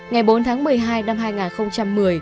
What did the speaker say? ngày bốn tháng một mươi bà nội đã giao hàng